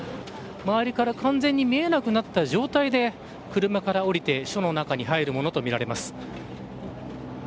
周りから完全に見えなくなった状態で車から降りて署の中に入るものとみられます。